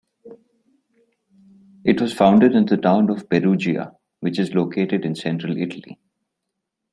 It was founded in the town of Perugia, which is located in central Italy.